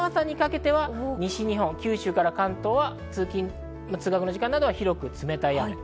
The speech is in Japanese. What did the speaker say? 明日の朝にかけては西日本、九州から関東は通勤・通学の時間など広く雨。